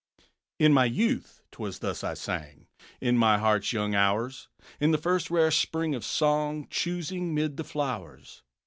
"_ _In my youth 'twas thus I sang, In my heart's young hours, In the first rare spring of song, Choosing 'mid the flowers.